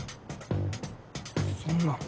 そんな。